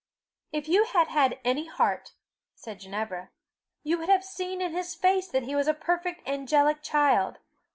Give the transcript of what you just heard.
"If you had had any heart," said Ginevra, "you would have seen in his face that he was a perfect angelic child.